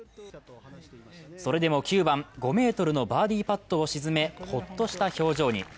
それでも９番、５ｍのバーディーパットを沈めホッとした表情に。